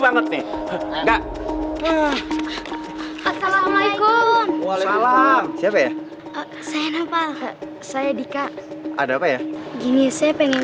assalamualaikum waalaikumsalam siapa ya saya nampal saya dika ada apa ya gini saya pengen